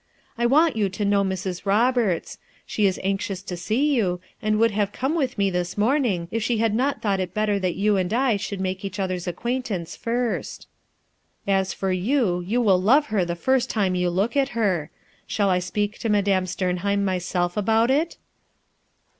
I want you to know Mrs. Roberts; she is anxious to see you, and would have come with me this morning, if she had not thought it tetter that you and I should make each other's ac quaintance first. As for you, you will love her the first time you look at her. Shall I sj)eak to Madame Sternheim myself about it?"